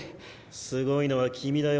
すごいのは君だよ。